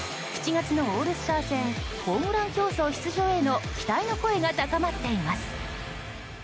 ７月のオールスター戦ホームラン競争出場へのおはようございます。